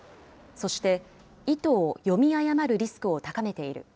そして、意図を読み誤るリスクを高めている。